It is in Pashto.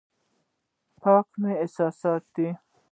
پاک مې احساسات دي.